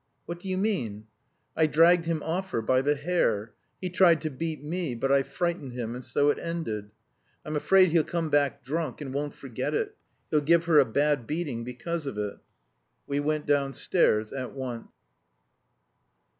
"What do you mean?" "I dragged him off her by the hair. He tried to beat me, but I frightened him, and so it ended. I'm afraid he'll come back drunk, and won't forget it he'll give her a bad beating because of it." We went downstairs at once.